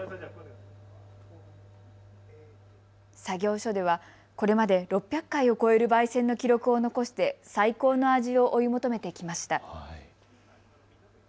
作業所ではこれまで６００回を超えるばい煎の記録を残して最高の味を追い求めてきました。